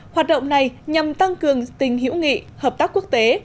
hoạt động này nhằm tăng cường tình hữu nghị hợp tác quốc tế